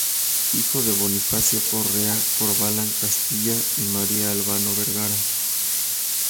Hijo de Bonifacio Correa Corbalán-Castilla y de María Albano Vergara.